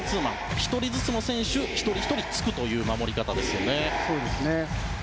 １人ずつの選手に１人ずつつくという守り方です。